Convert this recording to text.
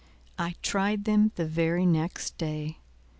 I tried them the very next day.